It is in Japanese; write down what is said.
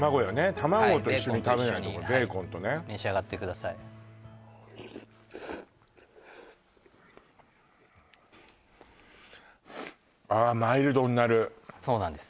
卵と一緒に食べないとベーコンとね召し上がってくださいああマイルドになるそうなんです